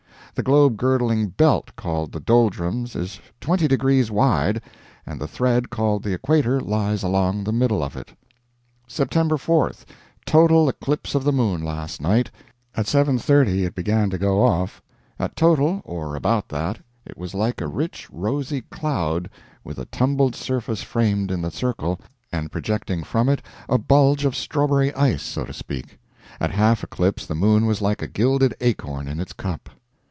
The globe girdling belt called the doldrums is 20 degrees wide, and the thread called the equator lies along the middle of it. Sept. 4. Total eclipse of the moon last night. At 7.30 it began to go off. At total or about that it was like a rich rosy cloud with a tumbled surface framed in the circle and projecting from it a bulge of strawberry ice, so to speak. At half eclipse the moon was like a gilded acorn in its cup.